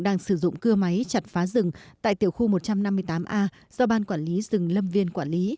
đang sử dụng cưa máy chặt phá rừng tại tiểu khu một trăm năm mươi tám a do ban quản lý rừng lâm viên quản lý